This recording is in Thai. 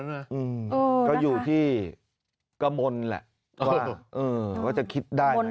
เออนะคะก็อยู่ที่กะมนแหละว่าจะคิดได้ไหม